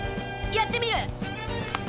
やってみる。